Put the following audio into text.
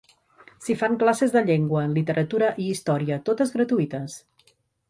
S'hi fan classes de llengua, literatura i història, totes gratuïtes.